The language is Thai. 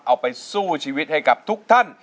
เอาไปสู้ชีวิตให้กับทุกท่าน